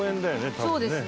そうですね。